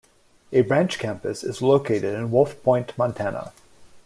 A branch campus is located in Wolf Point, Montana.